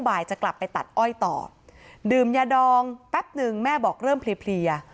จะกลับไปตัดอ้อยต่อดื่มยาดองแป๊บหนึ่งแม่บอกเริ่มเพลีย